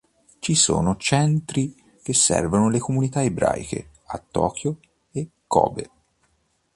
Ci sono centri che servono le comunità ebraiche a Tokyo e Kobe.